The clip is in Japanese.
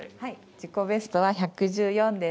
自己ベストは１１４です。